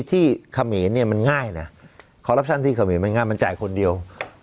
ที่ขเมนเนี่ยมันง่ายนะคอลลัพชันที่ขเมนมันง่ายมันจ่ายคนเดียว